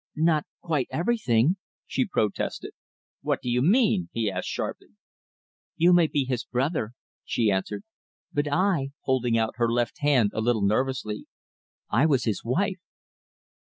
"Not quite everything," she protested. "What do you mean?" he asked sharply. "You may be his brother," she answered, "but I," holding out her left hand a little nervously, "I was his wife!"